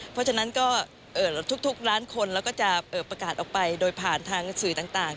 เพราะฉะนั้นก็ทุกล้านคนแล้วก็จะประกาศออกไปโดยผ่านทางสื่อต่าง